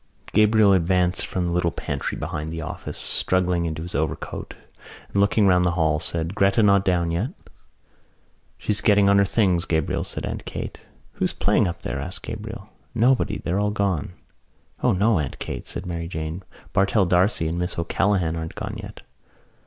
Gabriel advanced from the little pantry behind the office, struggling into his overcoat and, looking round the hall, said: "Gretta not down yet?" "She's getting on her things, Gabriel," said Aunt Kate. "Who's playing up there?" asked Gabriel. "Nobody. They're all gone." "O no, Aunt Kate," said Mary Jane. "Bartell D'Arcy and Miss O'Callaghan aren't gone yet."